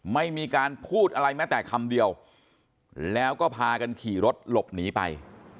ไม่มีการพูดอะไรแม้แต่คำเดียวแล้วก็พากันขี่รถหลบหนีไป